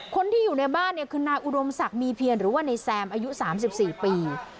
คนที่อยู่ในบ้านเนี่ยคือนายอุดมศักดิ์มีเพียรหรือว่านายแซมอายุ๓๔ปี